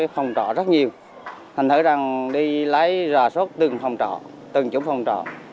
phong tỏa rất nhiều hình thức là đi lái rò sốt từng phong tỏa từng chỗ phong tỏa